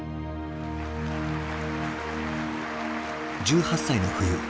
１８歳の冬。